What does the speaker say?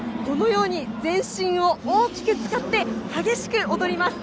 全身を大きく使って激しく踊ります。